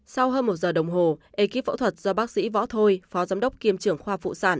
sau hơn một giờ đồng hồ ekip phẫu thuật do bác sĩ võ thôi phó giám đốc kiêm trưởng khoa phụ sản